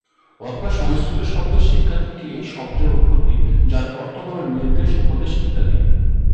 অথবা সংস্কৃত শব্দ শিক্ষা থেকে এই শব্দের উৎপত্তি, যার অর্থ হলো নির্দেশ, উপদেশ ইত্যাদি।